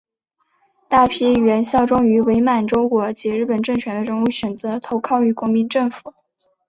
大批原效忠于伪满洲国及日本政权的人物选择投靠于国民政府。